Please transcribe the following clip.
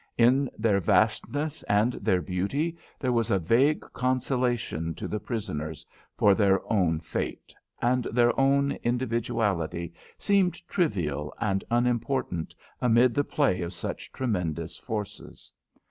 In their vastness and their beauty there was a vague consolation to the prisoners for their own fate, and their own individuality seemed trivial and unimportant amid the play of such tremendous forces.